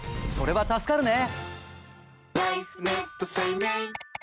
それは助かるね！